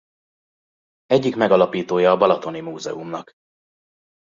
Egyik megalapítója a Balatoni Múzeumnak.